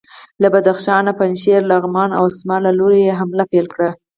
له بدخشان، پنجشیر، لغمان او اسمار له لوري یې حمله پیل کړه.